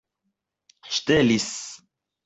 ŝtelis